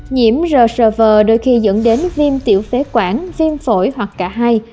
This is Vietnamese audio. nhiễm rsv đôi khi dẫn đến viêm tiểu phế quản viêm phổi hoặc cả hai